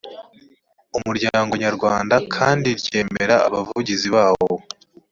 umuryango nyarwanda cdi kandi ryemera abavugizi bawo